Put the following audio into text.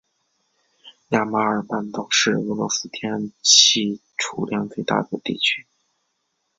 亚马尔半岛是俄罗斯天然气储量最大的地区。